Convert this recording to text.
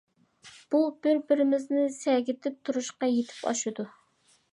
بۇ بىر-بىرىمىزنى سەگىتىپ تۇرۇشقا يېتىپ ئاشىدۇ.